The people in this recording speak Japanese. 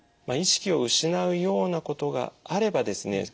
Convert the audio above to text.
意識を失うようなことがあればですね